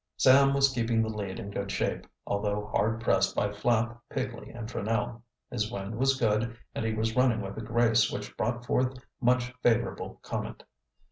Sam was keeping the lead in good shape, although hard pressed by Flapp, Pigley, and Franell. His wind was good and he was running with a grace which brought forth much favorable comment.